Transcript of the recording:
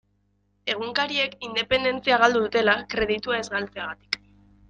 Egunkariek independentzia galdu dutela, kreditua ez galtzegatik.